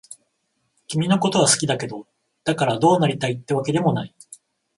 君のことは好きだけど、だからどうなりたいってわけでもない。